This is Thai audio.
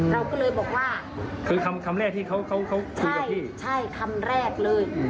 เราก็เลยบอกว่าคือคำคำแรกที่เขาเขาคุยกับพี่ใช่คำแรกเลย